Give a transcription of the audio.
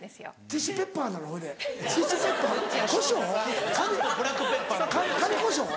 ティッシュペッパーこしょう？